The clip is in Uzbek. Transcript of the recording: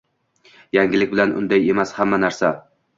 yangilik bilan "unday emas" hamma narsa